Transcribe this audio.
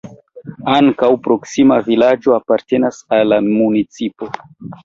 Ankaŭ proksima vilaĝo apartenas al la municipo.